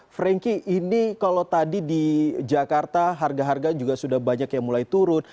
frankie ini kalau tadi di jakarta harga harga juga sudah banyak yang mulai turun